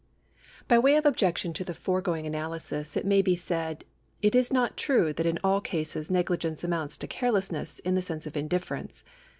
By way of objection to the foregoing analysis it may be said :" It is not true that in all cases negligence amounts to carelessness in the sense of indifference.